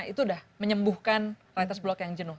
itu udah menyembuhkan writer's block yang jenuh